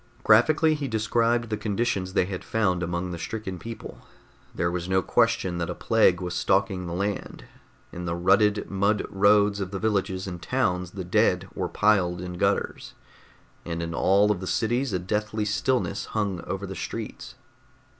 Graphically, he described the conditions they had found among the stricken people. There was no question that a plague was stalking the land. In the rutted mud roads of the villages and towns the dead were piled in gutters, and in all of the cities a deathly stillness hung over the streets.